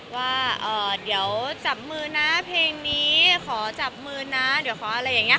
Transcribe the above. ว่าเดี๋ยวจับมือนะเพลงนี้ขอจับมือนะเดี๋ยวขออะไรอย่างนี้